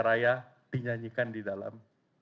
raya dinyanyikan di dalam